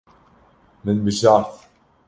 Min bijart.